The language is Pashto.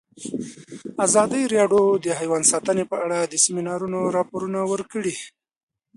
ازادي راډیو د حیوان ساتنه په اړه د سیمینارونو راپورونه ورکړي.